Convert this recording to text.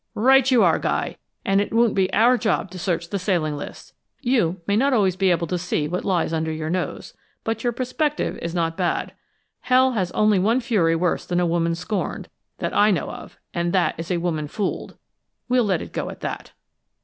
"Right you are, Guy! And it won't be our job to search the sailing lists. You may not always be able to see what lies under your nose, but your perspective is not bad. Hell has only one fury worse than a woman scorned, that I know of, and that is a woman fooled! We'll let it go at that!"